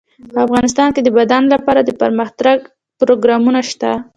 افغانستان کې د بادام لپاره دپرمختیا پروګرامونه شته.